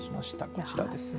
こちらですね。